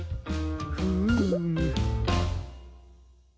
フーム。